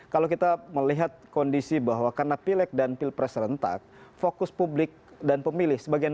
kalau kita melihat kondisi bahwa karena pilek dan pilpres rentak fokus publik dan pemilih sebagian